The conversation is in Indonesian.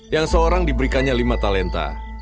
yang seorang diberikannya lima talenta